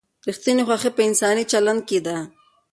ریښتینې خوښي په انساني چلند کې ده.